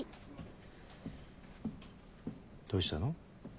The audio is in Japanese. どうしたの？